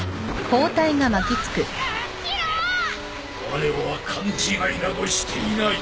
われは勘違いなどしていない。